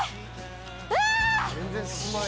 ⁉うわ！